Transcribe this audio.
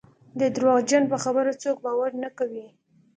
د درواغجن په خبره څوک باور نه کوي.